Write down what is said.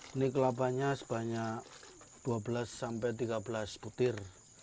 ini kelapanya sebanyak dua belas sampai tiga belas putir